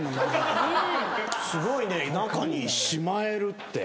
すごいね中にしまえるって。